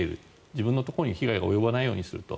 自分のところに被害が及ばないようにすると。